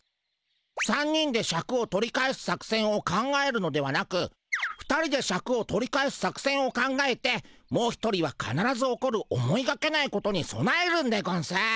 ３人でシャクを取り返す作せんを考えるのではなく２人でシャクを取り返す作せんを考えてもう一人はかならず起こる思いがけないことにそなえるんでゴンス。